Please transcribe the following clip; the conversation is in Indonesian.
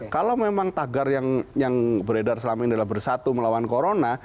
kalau memang tagar yang beredar selama ini adalah bersatu melawan corona